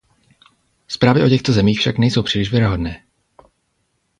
Zprávy o těchto zemích však nejsou příliš věrohodné.